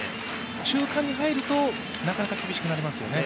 中間に入るとなかなか厳しくなりますよね。